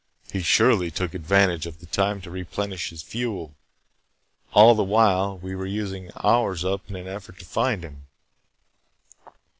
He surely took advantage of the time to replenish his fuel. All the while, we were using ours up in an effort to find him."